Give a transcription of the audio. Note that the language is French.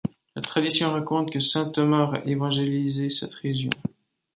La tradition raconte que saint Thomas aurait évangélisé cette région.